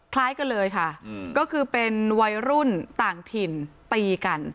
คล้ายกันเลยค่ะก็คือเป็นวัยรุ่นต่างถิ่นตีกัน